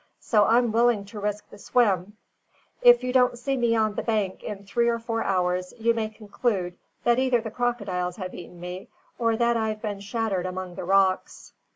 So I'm willing to risk the swim. If you don't see me on the bank in three or four hours you may conclude that either the crocodiles have eaten me, or that I've been shattered among the rocks."